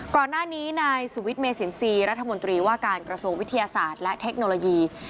ก่อนหน้านี้นายสุวิทย์เมสินทรีย์รัฐมนตรีว่าการกระทรวงวิทยาศาสตร์และเทคโนโลยี